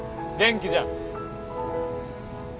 元気じゃん。